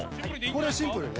これはシンプルにね。